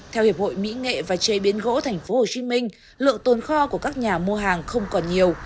theo hiệp hội mỹ nghệ và chế biến gỗ tp hcm lượng tồn kho của các nhà mua hàng không còn nhiều